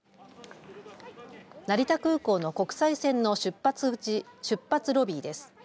成田空港の国際線の出発ロビーです。